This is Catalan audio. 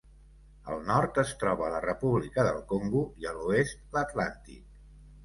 Al nord es troba la República del Congo i a l'oest l'Atlàntic.